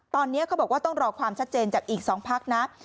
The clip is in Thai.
ตอนนี้เขาบอกว่าต้องรอความชัดเจนจากอีก๒พักนะ